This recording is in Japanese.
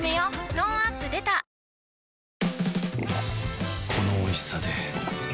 トーンアップ出たこのおいしさで